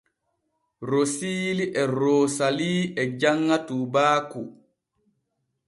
Rosiini e Roosalii e janŋa tuubaaku.